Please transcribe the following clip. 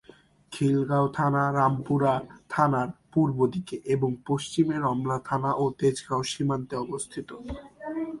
খিলগাঁও থানা রামপুরা থানার পূর্বদিকে এবং পশ্চিমে রমনা থানা ও তেজগাঁও সীমান্তে অবস্থিত।